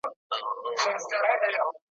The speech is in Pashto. خو له خیاله په کاږه مغزي روان وي ,